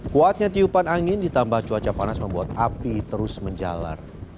kuatnya tiupan angin ditambah cuaca panas membuat api terus menjalar